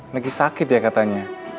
lagi sakit ya katanya